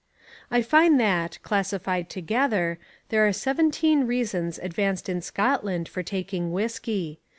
I find that, classified altogether, there are seventeen reasons advanced in Scotland for taking whiskey.